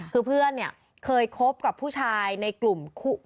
คือเพื่อนเนี่ยเคยคบกับผู้ชายในกลุ่ม